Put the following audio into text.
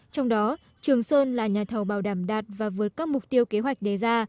trong đó trường sơn là nhà thầu bảo đảm đạt và vượt các mục tiêu kế hoạch đề ra